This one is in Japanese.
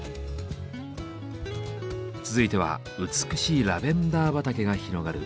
続いては美しいラベンダー畑が広がる